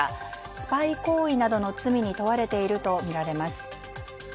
スパイ行為などの罪に問われているとみられます。